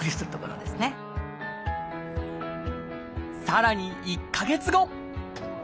さらに１か月後。